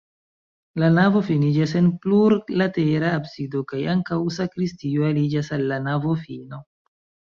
La navo finiĝas en plurlatera absido kaj ankaŭ sakristio aliĝas al la navofino.